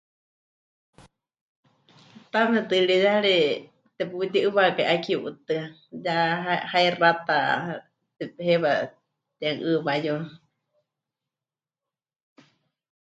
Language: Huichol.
Taame tɨɨriyari teputí'ɨwakai 'aki 'utɨa ya hai... haixata he... heiwa temɨ'ɨɨwáyu.